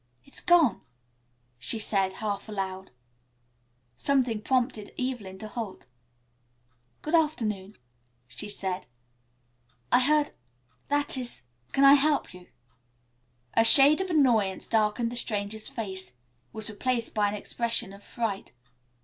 "It's gone," she said, half aloud. Something prompted Evelyn to halt. "Good afternoon," she said. "I heard that is can I help you?" A shade of annoyance darkened the stranger's face. It was replaced by an expression of fright.